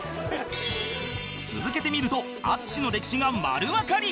続けて見ると淳の歴史が丸わかり